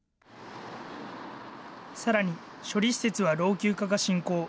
さらに、処理施設は老朽化が進行。